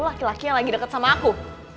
laki laki yang lagi dekat sama aku